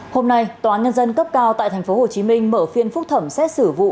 hôm nay tòa án nhân dân cấp cao tại tp hcm mở phiên phúc thẩm xét xử vụ